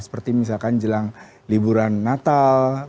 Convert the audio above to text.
seperti misalkan jelang liburan natal